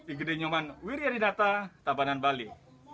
iqri nyuman wiryadidata tabanan bali